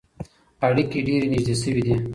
اړیکي ډېرې نږدې سوې دي.